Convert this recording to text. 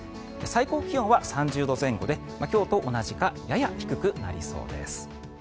最高気温は３０度前後で今日と同じかやや低くなりそうです。